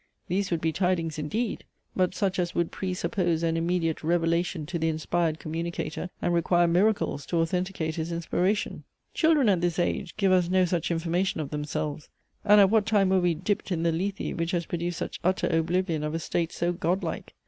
These would be tidings indeed; but such as would pre suppose an immediate revelation to the inspired communicator, and require miracles to authenticate his inspiration. Children at this age give us no such information of themselves; and at what time were we dipped in the Lethe, which has produced such utter oblivion of a state so godlike?